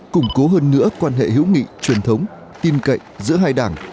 củng cố hơn nữa quan hệ hữu nghị truyền thống tin cậy giữa hai đảng